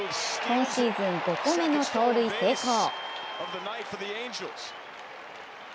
今シーズン５個目の盗塁成功。